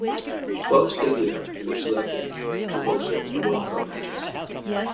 Twelve stadia were selected to host the World Cup matches.